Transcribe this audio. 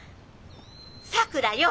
さくらよ。